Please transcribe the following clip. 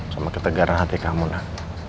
sama ketegaran hati kamu lah